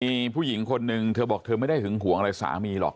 มีผู้หญิงคนนึงเธอบอกเธอไม่ได้หึงห่วงอะไรสามีหรอก